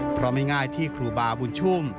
เพราะไม่ง่ายที่ครูบาบุญชุ่ม